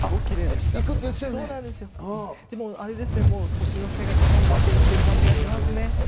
でもあれですね、もう年の瀬が近づいているという感じがしますね。